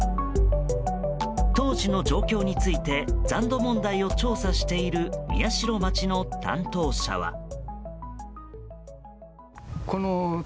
当時の状況について残土問題を調査している宮代町の担当者は。